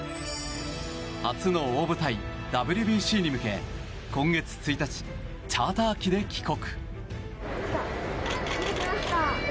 初の大舞台ＷＢＣに向け今月１日、チャーター機で帰国。